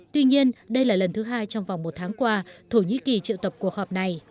tuy nhiên đây là lần thứ hai trong vòng một tháng qua thổ nhĩ kỳ triệu tập cuộc họp này